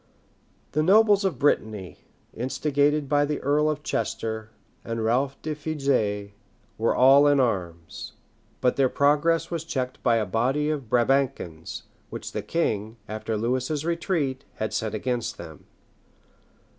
The nobles of Brittany, instigated by the earl of Chester and Ralph de Fougeres, were all in arms; but their progress was checked by a body of Brabançons, which the king, after Lewis's retreat, had sent against them.